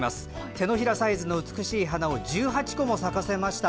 手のひらサイズの美しい花を１８個も咲かせました。